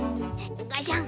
ガシャン。